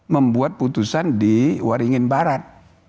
membuat putusan di waringin barat